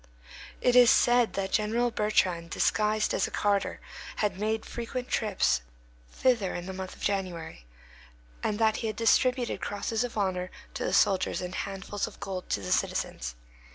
It was said that General Bertrand, disguised as a carter, had made frequent trips thither in the month of January, and that he had distributed crosses of honor to the soldiers and handfuls of gold to the citizens.